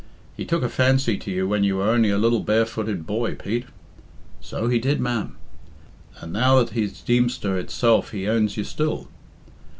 "He took a fancy to you when you were only a little barefooted boy, Pete." "So he did, ma'am." "And now that he's Deemster itself he owns you still."